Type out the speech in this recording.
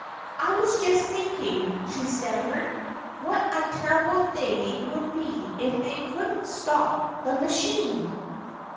"I was just thinking," she stammered, "what a terrible thing it would be if they couldn't stop the machine!"